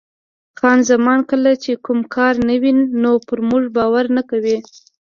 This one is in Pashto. خان زمان: کله چې کوم کار نه وي نو پر موږ باور نه کوي.